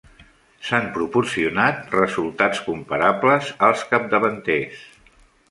S'han proporcionat resultats comparables als capdavanters.